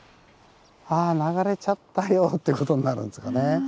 「あ流れちゃったよ」ってことになるんですかね。